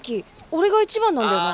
俺が一番なんだよな。